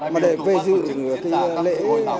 mà để vây dự cái lễ